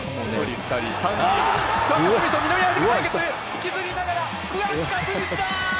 引きずりながらクワッガ・スミスだ。